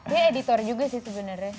dia editor juga sih sebenernya